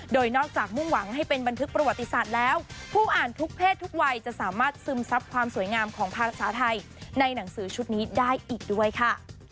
โดยนอกจากมุ่งหวังให้เป็นบันทึกประวัติศาสตร์แล้วผู้อ่านทุกเพศทุกวัยจะสามารถซึมซับความสวยงามของภาษาไทยในหนังสือชุดนี้ได้อีกด้วยค่ะ